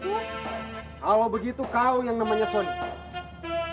kalau begitu kau yang namanya son